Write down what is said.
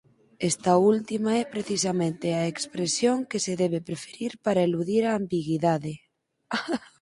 Esta última é precisamente a expresión que se debe preferir para eludir a ambigüidade.